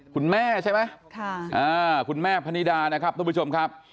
คุณแม่ใช่ไหมคุณแม่พนิดานะครับทุกผู้ชมครับ